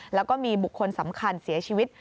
แล้วก็มีบุคคลสำคัญเสียชีวิต